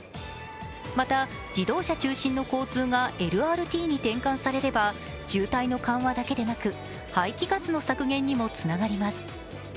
また、自動車中心の交通がＬＲＴに転換されれば渋滞の緩和だけでなく、排気ガスの削減にもつながります。